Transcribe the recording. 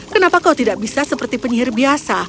kenapa kau tidak bisa seperti penyihir biasa